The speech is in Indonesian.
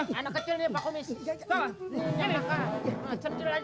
ini anak kecil nih pak komis